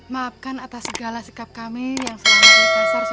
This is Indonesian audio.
maafkan atas segala sikap kami yang selalu dikasar sofia